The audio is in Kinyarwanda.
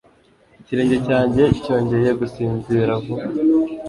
Ikirenge cyanjye cyongeye gusinzira vuba!